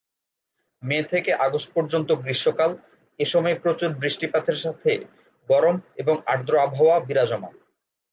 মে থেকে আগস্ট পর্যন্ত গ্রীষ্মকাল, এসময় প্রচুর বৃষ্টিপাতের সাথে গরম এবং আর্দ্র আবহাওয়া বিরাজমান।